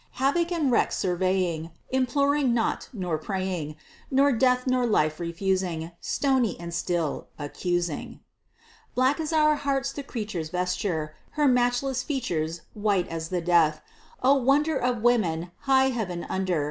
Havoc and wreck surveying, Imploring not, nor praying, Nor death nor life refusing; Stony and still accusing! Black as our hearts the creature's Vesture, her matchless features White as the dead. Oh! wonder Of women high heaven under!